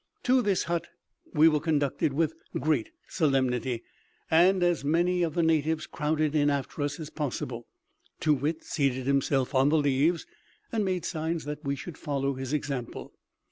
To this hut we were conducted with great solemnity, and as many of the natives crowded in after us as possible. Too wit seated himself on the leaves, and made signs that we should follow his example.